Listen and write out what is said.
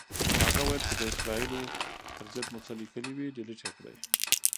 هغه ویل که د اسرائیلو پر ضد مو څه لیکلي وي، ډیلیټ یې کړئ.